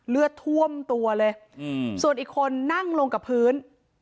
เลือดท่วมตัวเลยส่วนอีกคนนั่งลงกับพื้น